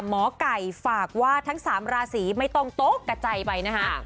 หมอไก่ฝากว่าทั้งสามราศีไม่ตรงโต๊ะกับใจไปนะคะ